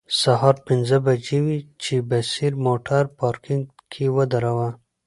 سهار پنځه بجې وې چې بصیر موټر پارکینګ کې ودراوه.